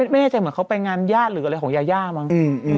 ไม่แน่ใจเหมือนเขาไปงานญาติหรืออะไรของยาย่ามั้ง